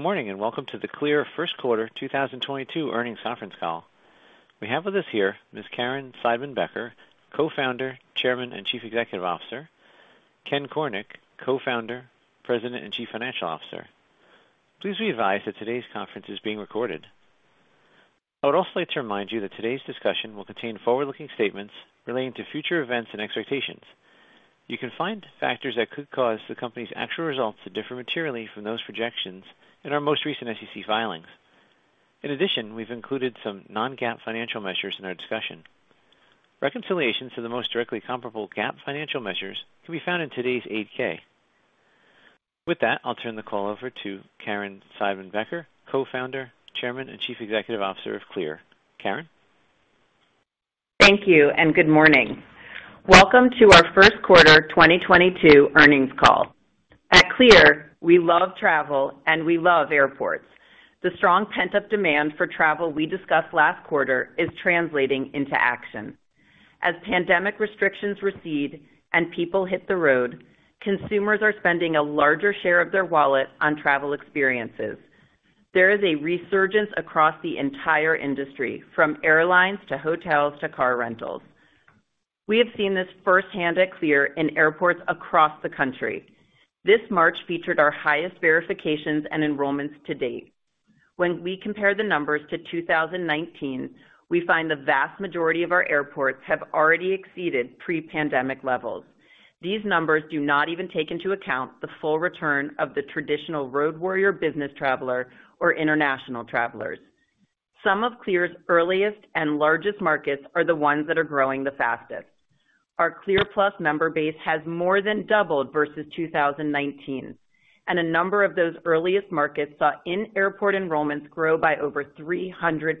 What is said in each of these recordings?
Good morning, and welcome to the CLEAR Q1 2022 earnings conference call. We have with us here Ms. Caryn Seidman-Becker, Co-founder, Chairman, and Chief Executive Officer, Ken Cornick, Co-founder, President, and Chief Financial Officer. Please be advised that today's conference is being recorded. I would also like to remind you that today's discussion will contain forward-looking statements relating to future events and expectations. You can find factors that could cause the company's actual results to differ materially from those projections in our most recent SEC filings. In addition, we've included some non-GAAP financial measures in our discussion. Reconciliations to the most directly comparable GAAP financial measures can be found in today's 8-K. With that, I'll turn the call over to Caryn Seidman-Becker, Co-founder, Chairman, and Chief Executive Officer of CLEAR. Caryn. Thank you and good morning. Welcome to our Q1 2022 earnings call. At CLEAR, we love travel and we love airports. The strong pent-up demand for travel we discussed last quarter is translating into action. As pandemic restrictions recede and people hit the road, consumers are spending a larger share of their wallet on travel experiences. There is a resurgence across the entire industry, from airlines to hotels to car rentals. We have seen this firsthand at CLEAR in airports across the country. This March featured our highest verifications and enrollments to date. When we compare the numbers to 2019, we find the vast majority of our airports have already exceeded pre-pandemic levels. These numbers do not even take into account the full return of the traditional road warrior business traveler or international travelers. Some of CLEAR's earliest and largest markets are the ones that are growing the fastest. Our CLEAR Plus member base has more than doubled versus 2019, and a number of those earliest markets saw in-airport enrollments grow by over 300%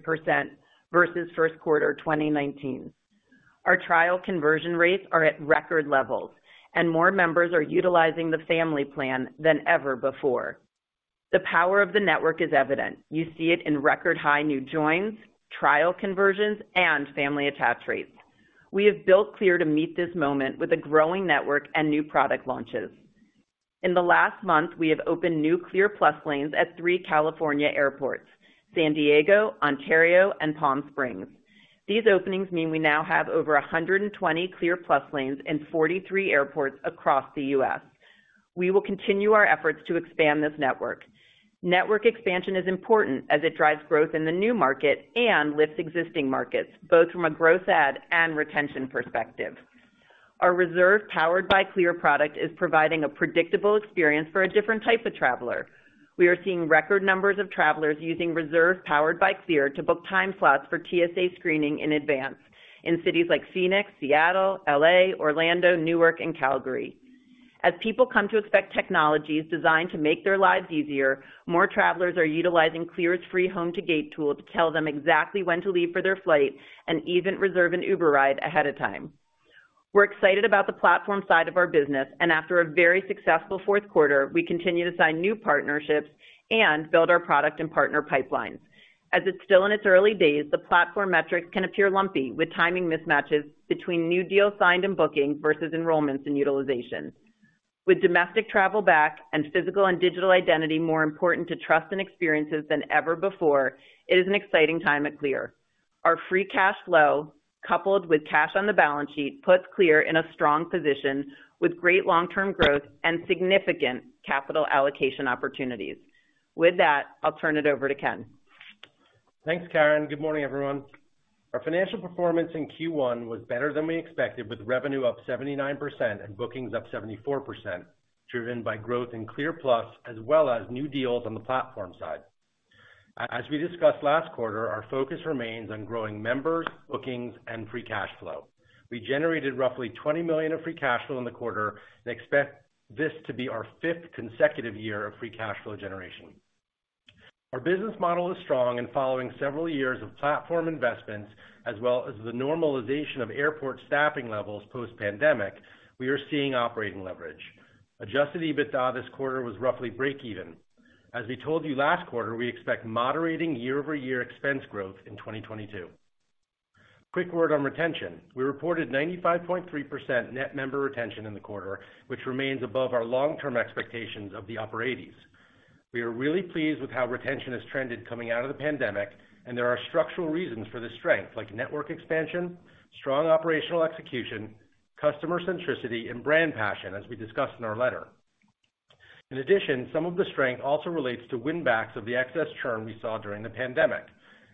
versus Q1 2019. Our trial conversion rates are at record levels, and more members are utilizing the family plan than ever before. The power of the network is evident. You see it in record high new joins, trial conversions, and family attach rates. We have built CLEAR to meet this moment with a growing network and new product launches. In the last month, we have opened new CLEAR Plus lanes at three California airports, San Diego, Ontario, and Palm Springs. These openings mean we now have over 120 CLEAR Plus lanes in 43 airports across the U.S. We will continue our efforts to expand this network. Network expansion is important as it drives growth in the new market and lifts existing markets, both from a growth add and retention perspective. Our Reserve powered by CLEAR product is providing a predictable experience for a different type of traveler. We are seeing record numbers of travelers using Reserve powered by CLEAR to book time slots for TSA screening in advance in cities like Phoenix, Seattle, L.A., Orlando, Newark, and Calgary. As people come to expect technologies designed to make their lives easier, more travelers are utilizing CLEAR's free home to gate tool to tell them exactly when to leave for their flight and even reserve an Uber ride ahead of time. We're excited about the platform side of our business, and after a very successful fourth quarter, we continue to sign new partnerships and build our product and partner pipelines. As it's still in its early days, the platform metrics can appear lumpy with timing mismatches between new deals signed and bookings versus enrollments and utilization. With domestic travel back and physical and digital identity more important to trust and experiences than ever before, it is an exciting time at CLEAR. Our Free Cash Flow, coupled with cash on the balance sheet, puts CLEAR in a strong position with great long-term growth and significant capital allocation opportunities. With that, I'll turn it over to Ken. Thanks, Caryn. Good morning, everyone. Our financial performance in Q1 was better than we expected, with revenue up 79% and bookings up 74%, driven by growth in CLEAR Plus as well as new deals on the platform side. As we discussed last quarter, our focus remains on growing members, bookings, and free cash flow. We generated roughly $20 million of free cash flow in the quarter and expect this to be our fifth consecutive year of free cash flow generation. Our business model is strong, and following several years of platform investments, as well as the normalization of airport staffing levels post-pandemic, we are seeing operating leverage. Adjusted EBITDA this quarter was roughly break even. As we told you last quarter, we expect moderating year-over-year expense growth in 2022. Quick word on retention. We reported 95.3% Net Member Retention in the quarter, which remains above our long-term expectations of the upper 80s. We are really pleased with how retention has trended coming out of the pandemic, and there are structural reasons for this strength, like network expansion, strong operational execution, customer centricity, and brand passion, as we discussed in our letter. In addition, some of the strength also relates to win backs of the excess churn we saw during the pandemic.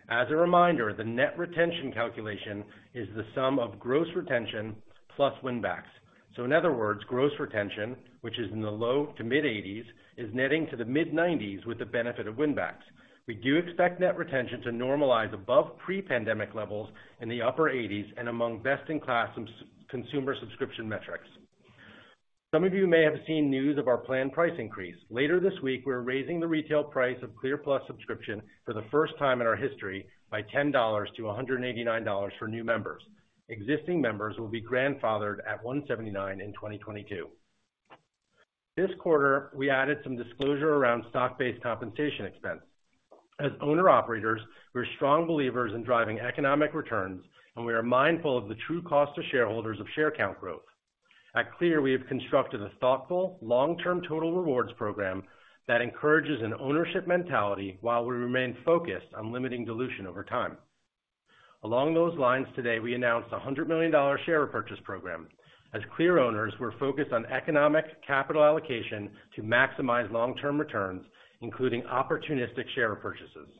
As a reminder, the Net Retention calculation is the sum of Gross Retention plus win backs. In other words, Gross Retention, which is in the low-to-mid 80s, is netting to the mid-90s with the benefit of win backs. We do expect Net Retention to normalize above pre-pandemic levels in the upper 80s and among best-in-class subscription consumer subscription metrics. Some of you may have seen news of our planned price increase. Later this week, we're raising the retail price of CLEAR Plus subscription for the first time in our history by $10 to $189 for new members. Existing members will be grandfathered at $179 in 2022. This quarter, we added some disclosure around stock-based compensation expense. As owner-operators, we're strong believers in driving economic returns, and we are mindful of the true cost to shareholders of share count growth. At CLEAR, we have constructed a thoughtful long-term total rewards program that encourages an ownership mentality while we remain focused on limiting dilution over time. Along those lines, today, we announced a $100 million share repurchase program. As CLEAR owners, we're focused on economic capital allocation to maximize long-term returns, including opportunistic share repurchases.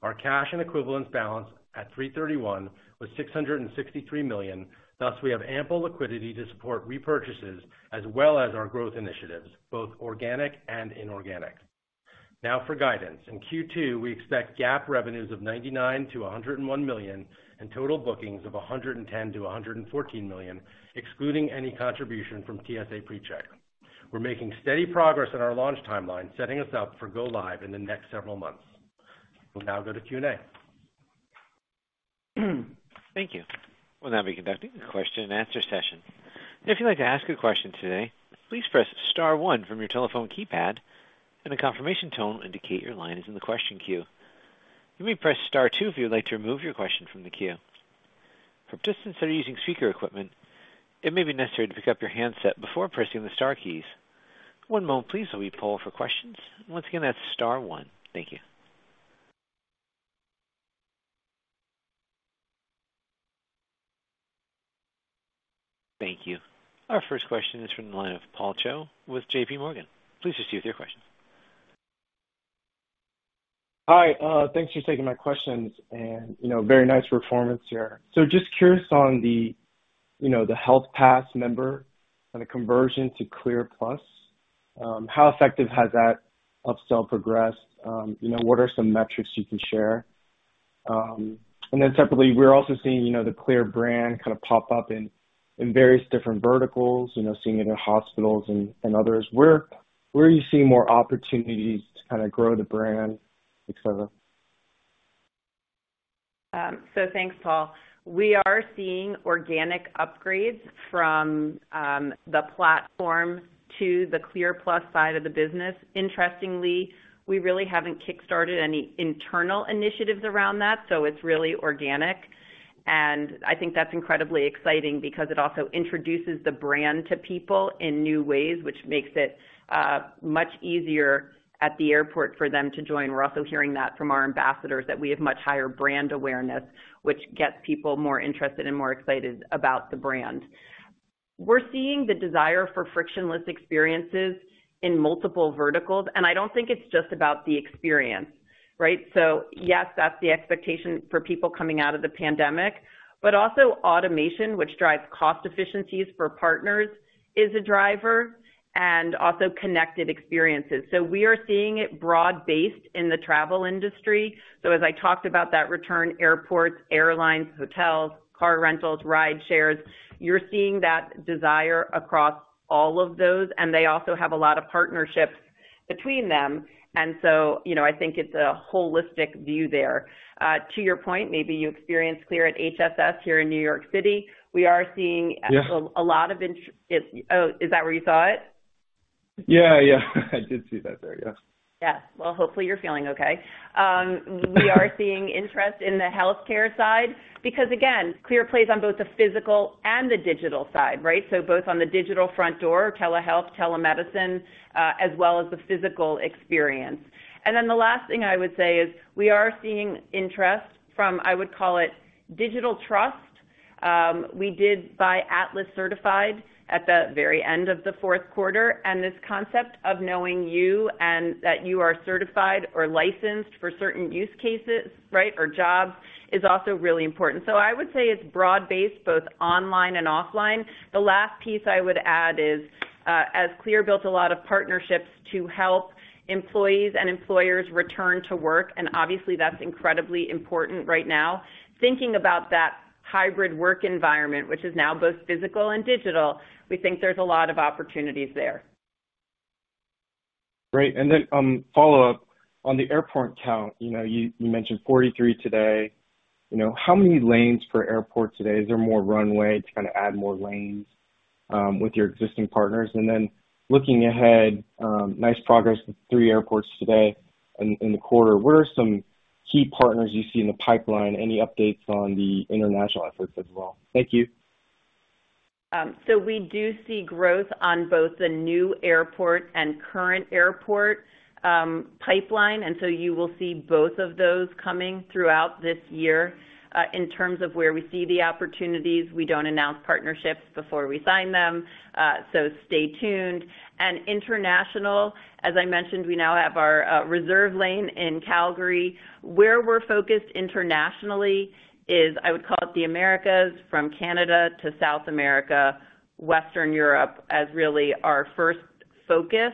Our cash and equivalents balance at 3/31 was $663 million, thus we have ample liquidity to support repurchases as well as our growth initiatives, both organic and inorganic. Now for guidance. In Q2, we expect GAAP revenues of $99 million-$101 million and total bookings of $110 million-$114 million, excluding any contribution from TSA PreCheck. We're making steady progress in our launch timeline, setting us up for go live in the next several months. We'll now go to Q&A. Thank you. We'll now be conducting the question and answer session. If you'd like to ask a question today, please press star one from your telephone keypad, and a confirmation tone will indicate your line is in the question queue. You may press star two if you'd like to remove your question from the queue. For participants that are using speaker equipment, it may be necessary to pick up your handset before pressing the star keys. One moment please while we poll for questions. Once again, that's star one. Thank you. Thank you. Our first question is from the line of Paul Cho with JPMorgan. Please proceed with your question. Hi, thanks for taking my questions. You know, very nice performance here. Just curious on the, you know, the Health Pass member and the conversion to CLEAR Plus, how effective has that upsell progressed? You know, what are some metrics you can share? Then separately, we're also seeing, you know, the CLEAR brand kind of pop up in various different verticals, you know, seeing it in hospitals and others. Where are you seeing more opportunities to kinda grow the brand, et cetera? Thanks, Paul. We are seeing organic upgrades from the platform to the CLEAR Plus side of the business. Interestingly, we really haven't kickstarted any internal initiatives around that, so it's really organic. I think that's incredibly exciting because it also introduces the brand to people in new ways, which makes it much easier at the airport for them to join. We're also hearing that from our ambassadors, that we have much higher brand awareness, which gets people more interested and more excited about the brand. We're seeing the desire for frictionless experiences in multiple verticals, and I don't think it's just about the experience, right? Yes, that's the expectation for people coming out of the pandemic, but also automation, which drives cost efficiencies for partners, is a driver, and also connected experiences. We are seeing it broad-based in the travel industry. As I talked about that return to airports, airlines, hotels, car rentals, ride shares, you're seeing that desire across all of those, and they also have a lot of partnerships between them, and so, you know, I think it's a holistic view there. To your point, maybe you experienced CLEAR at HSS here in New York City. We are seeing- Yeah. Oh, is that where you saw it? Yeah, yeah. I did see that there, yes. Yes. Well, hopefully you're feeling okay. We are seeing interest in the healthcare side because, again, CLEAR plays on both the physical and the digital side, right? Both on the digital front door, telehealth, telemedicine, as well as the physical experience. The last thing I would say is we are seeing interest from, I would call it digital trust. We did buy Atlas Certified at the very end of the fourth quarter, and this concept of knowing you and that you are certified or licensed for certain use cases, right, or jobs is also really important. I would say it's broad-based, both online and offline. The last piece I would add is, as CLEAR built a lot of partnerships to help employees and employers return to work, and obviously that's incredibly important right now, thinking about that hybrid work environment, which is now both physical and digital, we think there's a lot of opportunities there. Great. Follow-up on the airport count, you know, you mentioned 43 today. You know, how many lanes per airport today? Is there more runway to kind of add more lanes with your existing partners? Looking ahead, nice progress with three airports today in the quarter. What are some key partners you see in the pipeline? Any updates on the international efforts as well? Thank you. We do see growth on both the new airport and current airport pipeline, and so you will see both of those coming throughout this year. In terms of where we see the opportunities, we don't announce partnerships before we sign them, so stay tuned. International, as I mentioned, we now have our Reserve lane in Calgary. Where we're focused internationally is, I would call it the Americas from Canada to South America, Western Europe as really our first focus,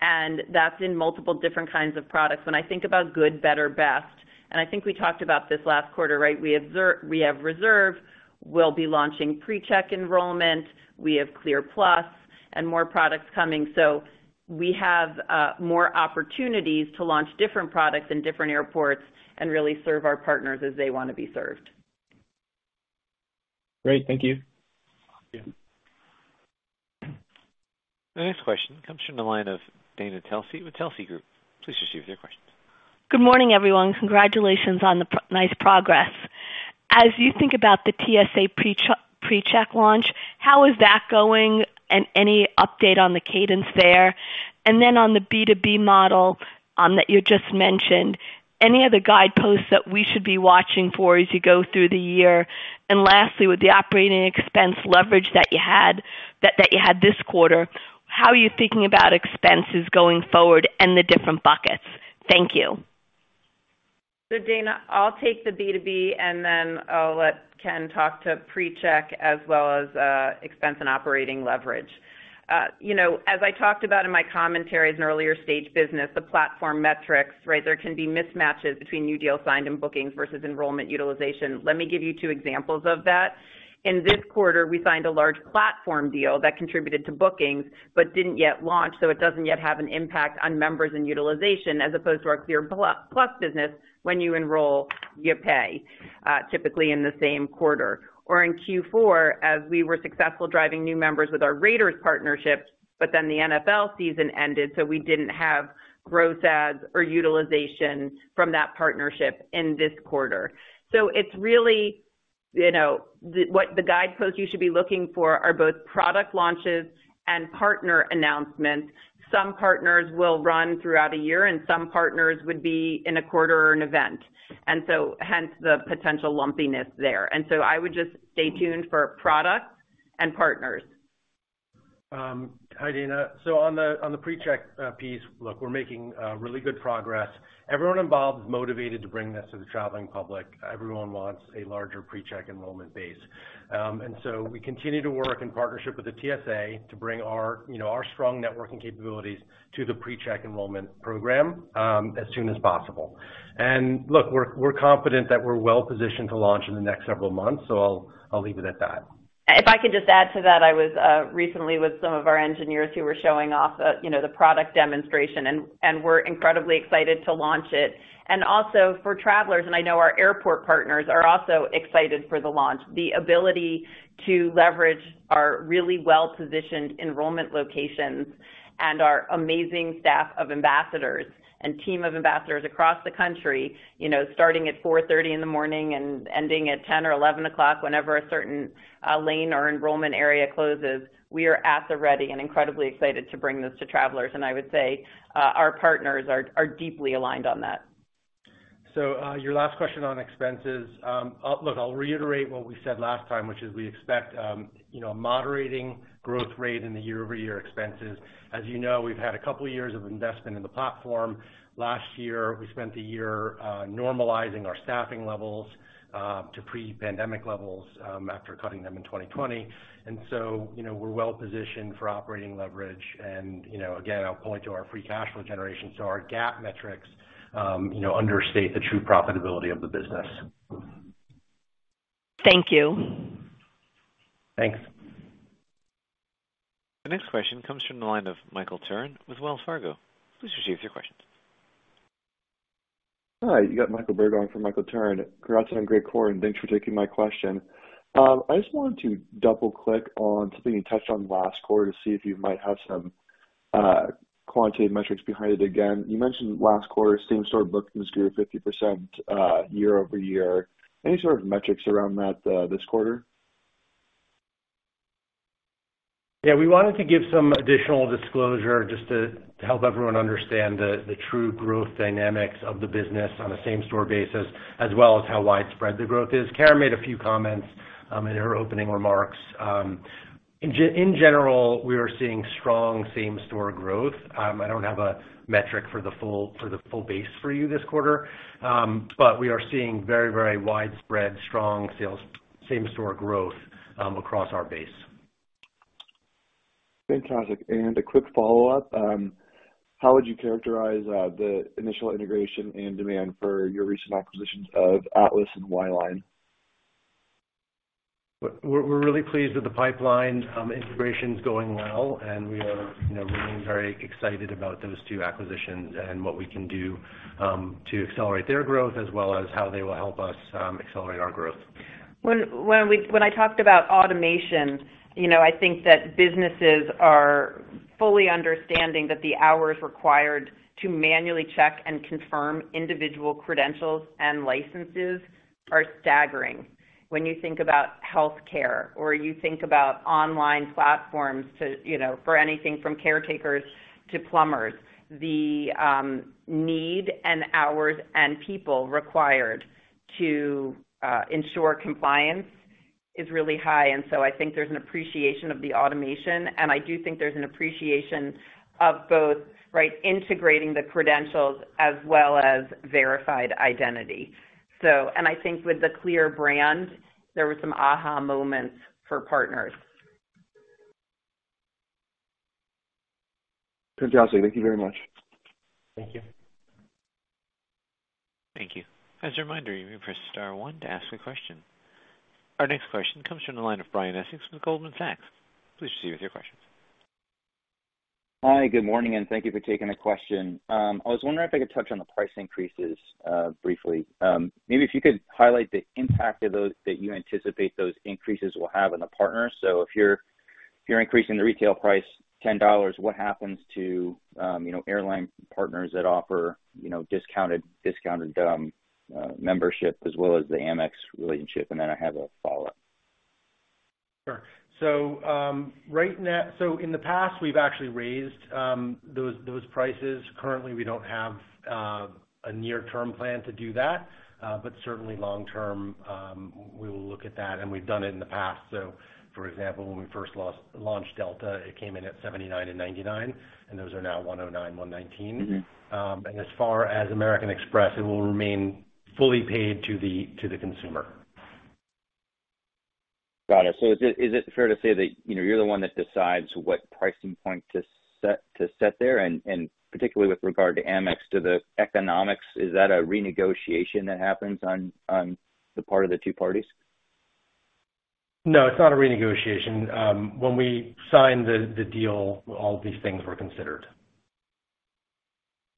and that's in multiple different kinds of products. When I think about good, better, best, and I think we talked about this last quarter, right? We have Reserve. We'll be launching PreCheck enrollment. We have CLEAR Plus and more products coming. We have more opportunities to launch different products in different airports and really serve our partners as they wanna be served. Great. Thank you. Yeah. The next question comes from the line of Dana Telsey with Telsey Advisory Group. Please proceed with your questions. Good morning, everyone. Congratulations on the nice progress. As you think about the TSA PreCheck launch, how is that going? Any update on the cadence there? On the B2B model, that you just mentioned, any other guideposts that we should be watching for as you go through the year? Lastly, with the operating expense leverage that you had this quarter, how are you thinking about expenses going forward and the different buckets? Thank you. Dana, I'll take the B2B and then I'll let Ken talk to PreCheck as well as expense and operating leverage. You know, as I talked about in my commentary as an earlier stage business, the platform metrics, right? There can be mismatches between new deals signed and bookings versus enrollment utilization. Let me give you two examples of that. In this quarter, we signed a large platform deal that contributed to bookings but didn't yet launch, so it doesn't yet have an impact on members and utilization as opposed to our CLEAR Plus business, when you enroll, you pay, typically in the same quarter. In Q4, as we were successful driving new members with our Raiders partnerships, but then the NFL season ended, so we didn't have growth adds or utilization from that partnership in this quarter. It's really, you know, what the guideposts you should be looking for are both product launches and partner announcements. Some partners will run throughout a year and some partners would be in a quarter or an event. Hence the potential lumpiness there. I would just stay tuned for products and partners. Hi, Dana. On the PreCheck piece, look, we're making really good progress. Everyone involved is motivated to bring this to the traveling public. Everyone wants a larger PreCheck enrollment base. We continue to work in partnership with the TSA to bring our, you know, our strong networking capabilities to the PreCheck enrollment program as soon as possible. Look, we're confident that we're well positioned to launch in the next several months, so I'll leave it at that. If I could just add to that, I was recently with some of our engineers who were showing off, you know, the product demonstration and we're incredibly excited to launch it. Also for travelers, and I know our airport partners are also excited for the launch. The ability to leverage our really well-positioned enrollment locations and our amazing staff of ambassadors and team of ambassadors across the country, you know, starting at 4:30 A.M. and ending at 10:00 or 11:00 o'clock whenever a certain lane or enrollment area closes, we are at the ready and incredibly excited to bring this to travelers. I would say our partners are deeply aligned on that. Your last question on expenses. Look, I'll reiterate what we said last time, which is we expect, you know, a moderating growth rate in the year-over-year expenses. As you know, we've had a couple of years of investment in the platform. Last year, we spent a year normalizing our staffing levels to pre-pandemic levels after cutting them in 2020. You know, we're well positioned for operating leverage. You know, again, I'll point to our Free Cash Flow generation. Our GAAP metrics, you know, understate the true profitability of the business. Thank you. Thanks. The next question comes from the line of Michael Turrin with Wells Fargo. Please proceed with your questions. Hi, you've got Michael Barkin for Michael Turrin. Congrats on a great quarter, and thanks for taking my question. I just wanted to double-click on something you touched on last quarter to see if you might have some quantitative metrics behind it again. You mentioned last quarter, same-store bookings grew 50% year-over-year. Any sort of metrics around that this quarter? Yeah, we wanted to give some additional disclosure just to help everyone understand the true growth dynamics of the business on a same-store basis, as well as how widespread the growth is. Caryn made a few comments in her opening remarks. In general, we are seeing strong same-store growth. I don't have a metric for the full base for you this quarter. We are seeing very widespread strong sales same-store growth across our base. Fantastic. A quick follow-up. How would you characterize the initial integration and demand for your recent acquisitions of Atlas and Whyline? We're really pleased with the pipeline. Integration's going well, and we are, you know, remaining very excited about those two acquisitions and what we can do to accelerate their growth as well as how they will help us accelerate our growth. When I talked about automation, you know, I think that businesses are fully understanding that the hours required to manually check and confirm individual credentials and licenses are staggering. When you think about healthcare or you think about online platforms to, you know, for anything from caretakers to plumbers, the need and hours and people required to ensure compliance is really high. I think there's an appreciation of the automation, and I do think there's an appreciation of both, right, integrating the credentials as well as verified identity. I think with the CLEAR brand, there were some aha moments for partners. Fantastic. Thank you very much. Thank you. Thank you. As a reminder, you may press star one to ask a question. Our next question comes from the line of Brian Essex with Goldman Sachs. Please proceed with your questions. Hi, good morning, and thank you for taking the question. I was wondering if I could touch on the price increases briefly. Maybe if you could highlight the impact of those that you anticipate those increases will have on the partners. If you're increasing the retail price $10, what happens to you know, airline partners that offer you know, discounted membership as well as the Amex relationship? Then I have a follow-up. Sure. In the past, we've actually raised those prices. Currently, we don't have a near-term plan to do that. But certainly long-term, we will look at that, and we've done it in the past. For example, when we first launched Delta, it came in at $79 and $99, and those are now $109, $119. Mm-hmm. As far as American Express, it will remain fully paid to the consumer. Got it. Is it fair to say that, you know, you're the one that decides what pricing point to set there, and particularly with regard to Amex, to the economics, is that a renegotiation that happens on the part of the two parties? No, it's not a renegotiation. When we signed the deal, all of these things were considered.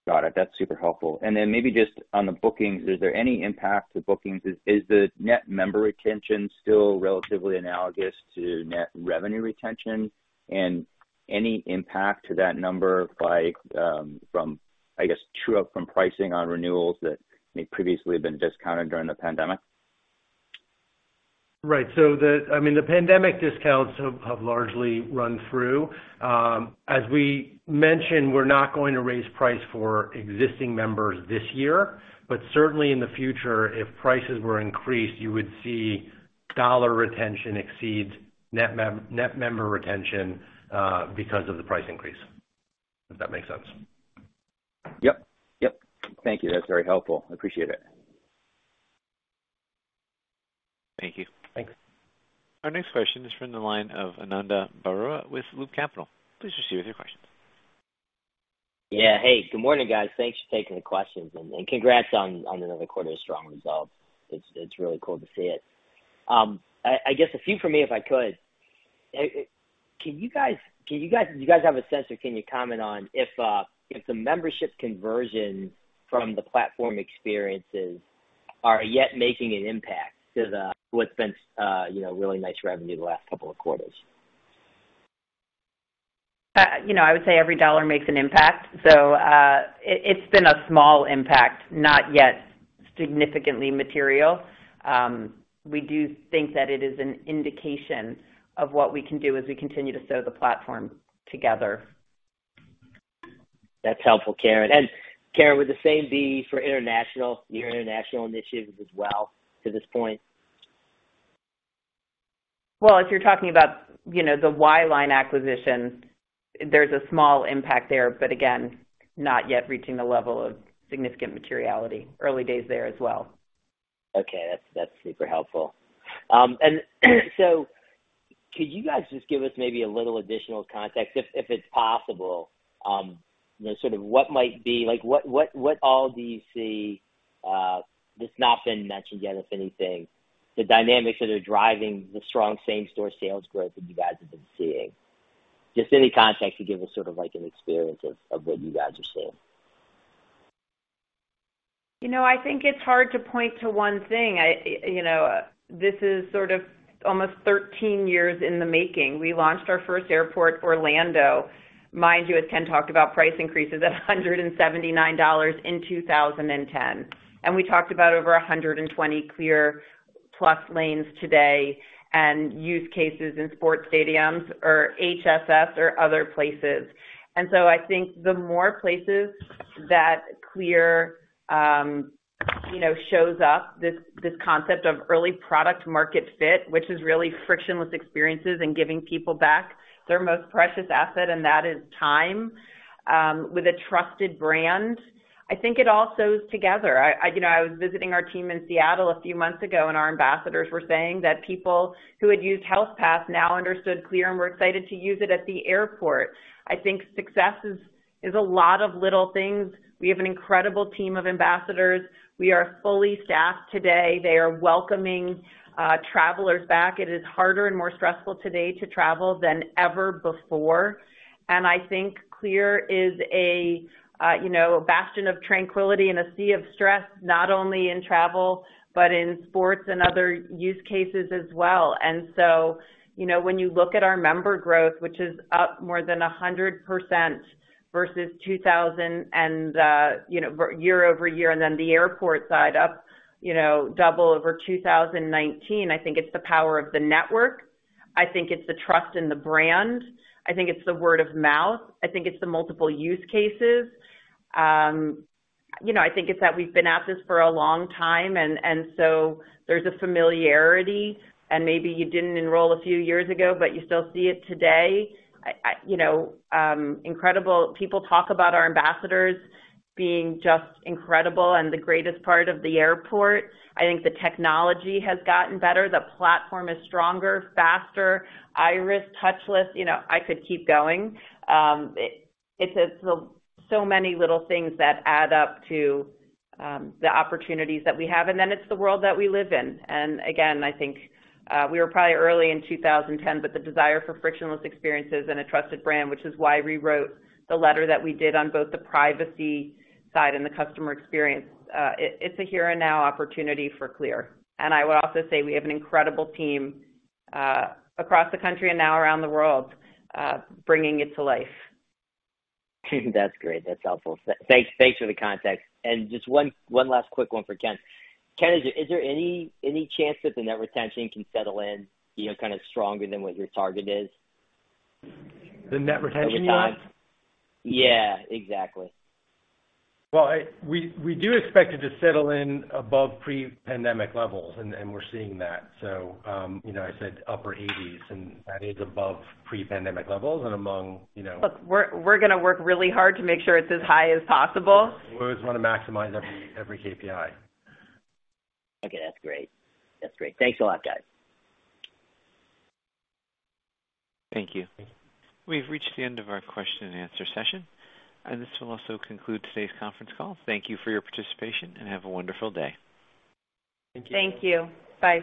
Got it. That's super helpful. Maybe just on the bookings, is there any impact to bookings? Is the Net Member Retention still relatively analogous to net revenue retention? Any impact to that number by, from, I guess, true up from pricing on renewals that may previously have been discounted during the pandemic? The pandemic discounts have largely run through. I mean, as we mentioned, we're not going to raise price for existing members this year, but certainly in the future, if prices were increased, you would see dollar retention exceed Net Member Retention because of the price increase, if that makes sense. Yep. Yep. Thank you. That's very helpful. I appreciate it. Thank you. Thanks. Our next question is from the line of Ananda Baruah with Loop Capital. Please proceed with your question. Yeah. Hey, good morning, guys. Thanks for taking the questions, and congrats on another quarter of strong results. It's really cool to see it. I guess a few from me, if I could. Do you guys have a sense or can you comment on if the membership conversion from the platform experiences are yet making an impact to the, what's been, you know, really nice revenue the last couple of quarters? You know, I would say every dollar makes an impact, so it's been a small impact, not yet significantly material. We do think that it is an indication of what we can do as we continue to sew the platform together. That's helpful, Caryn. Caryn, would the same be for international, your international initiatives as well to this point? Well, if you're talking about, you know, the Whyline acquisition, there's a small impact there, but again, not yet reaching the level of significant materiality. Early days there as well. Okay. That's super helpful. Could you guys just give us maybe a little additional context, if it's possible, you know, sort of what might be like what all do you see that's not been mentioned yet, if anything, the dynamics that are driving the strong same-store sales growth that you guys have been seeing? Just any context you can give us sort of like an experience of what you guys are seeing. You know, I think it's hard to point to one thing. I, you know, this is sort of almost 13 years in the making. We launched our first airport, Orlando. Mind you, as Ken talked about price increases at $179 in 2010. We talked about over 120 CLEAR Plus lanes today and use cases in sports stadiums or HSS or other places. I think the more places that CLEAR, you know, shows up, this concept of early product market fit, which is really frictionless experiences and giving people back their most precious asset, and that is time, with a trusted brand. You know, I was visiting our team in Seattle a few months ago, and our ambassadors were saying that people who had used Health Pass now understood CLEAR and were excited to use it at the airport. I think success is a lot of little things. We have an incredible team of ambassadors. We are fully staffed today. They are welcoming travelers back. It is harder and more stressful today to travel than ever before. I think CLEAR is a you know a bastion of tranquility in a sea of stress, not only in travel, but in sports and other use cases as well. You know, when you look at our member growth, which is up more than 100% versus 2020 year over year, and then the airport side up, you know, double over 2019, I think it's the power of the network. I think it's the trust in the brand. I think it's the word of mouth. I think it's the multiple use cases. You know, I think it's that we've been at this for a long time, and so there's a familiarity, and maybe you didn't enroll a few years ago, but you still see it today. You know, incredible. People talk about our ambassadors being just incredible and the greatest part of the airport. I think the technology has gotten better. The platform is stronger, faster, iris, touchless. You know, I could keep going. So many little things that add up to the opportunities that we have, and then it's the world that we live in. I think we were probably early in 2010, but the desire for frictionless experiences and a trusted brand, which is why we wrote the letter that we did on both the privacy side and the customer experience. It's a here and now opportunity for CLEAR. I would also say we have an incredible team across the country and now around the world bringing it to life. That's great. That's helpful. Thanks for the context. Just one last quick one for Ken. Ken, is there any chance that the net retention can settle in, you know, kind of stronger than what your target is? The net retention is? Over time. Yeah, exactly. We do expect it to settle in above pre-pandemic levels, and we're seeing that. You know, I said upper eighties, and that is above pre-pandemic levels and among, you know. Look, we're gonna work really hard to make sure it's as high as possible. We always wanna maximize every KPI. Okay. That's great. Thanks a lot, guys. Thank you. We've reached the end of our question and answer session, and this will also conclude today's conference call. Thank you for your participation, and have a wonderful day. Thank you. Thank you. Bye.